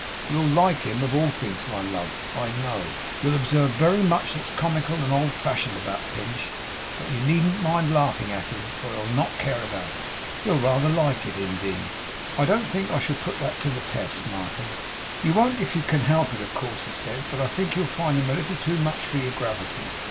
You'll like him of all things, my love, I know. You'll observe very much that's comical and old fashioned about Pinch, but you needn't mind laughing at him; for he'll not care about it. He'll rather like it indeed!' 'I don't think I shall put that to the test, Martin.' 'You won't if you can help it, of course,' he said, 'but I think you'll find him a little too much for your gravity.